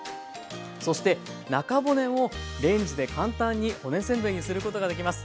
そして中骨をレンジで簡単に骨せんべいにすることができます。